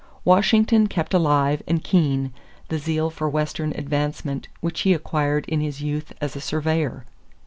Washington kept alive and keen the zeal for Western advancement which he acquired in his youth as a surveyor.